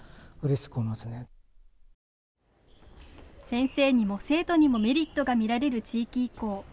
先生にも生徒にもメリットが見られる地域移行。